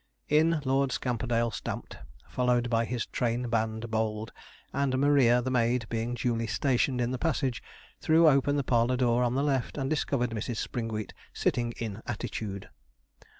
In Lord Scamperdale stamped, followed by his train band bold, and Maria, the maid, being duly stationed in the passage, threw open the parlour door on the left, and discovered Mrs. Springwheat sitting in attitude.